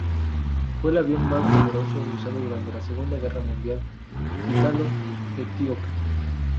Fue el avión más numeroso usado durante la Segunda guerra ítalo-etíope.